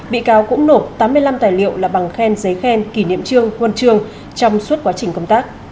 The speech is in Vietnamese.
bị cáo cũng nộp tám mươi năm tài liệu là bằng khen giấy khen kỷ niệm trương huân chương trong suốt quá trình công tác